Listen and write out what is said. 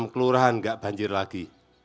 enam kelurahan enggak banjir lagi